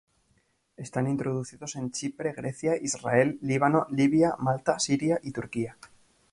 Están introducidos en Chipre, Grecia, Israel, Líbano, Libia, Malta, Siria, y Turquía.